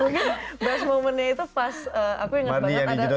mungkin best momentnya itu pas aku ingat banget ada